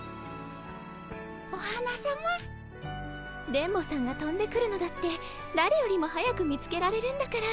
電ボさんがとんでくるのだってだれよりも早く見つけられるんだから。